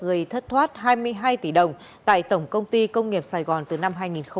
gây thất thoát hai mươi hai tỷ đồng tại tổng công ty công nghiệp sài gòn từ năm hai nghìn một mươi bảy